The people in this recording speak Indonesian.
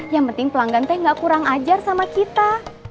yang penting pelanggan teh gak kurang ajar sama kita